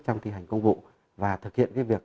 trong thi hành công vụ và thực hiện việc